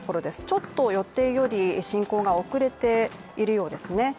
ちょっと予定より進行が遅れているようですね